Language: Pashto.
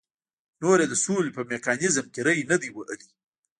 نور یې د سولې په میکانیزم کې ری نه دی وهلی.